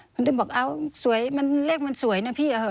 คุณติ้นบอกเอ้าเลขมันสวยนะพี่เอาเหรอ